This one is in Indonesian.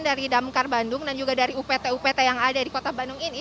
dari damkar bandung dan juga dari upt upt yang ada di kota bandung ini